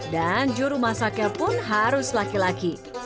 dan juru masaknya pun harus laki laki